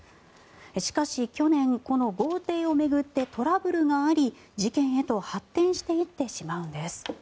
しかし、去年この豪邸を巡ってトラブルがあり事件へと発展していってしまうんです。